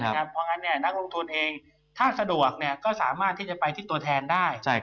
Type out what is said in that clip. เพราะงั้นนักลงทุนเองถ้าสะดวกก็สามารถที่จะไปที่ตัวแทนได้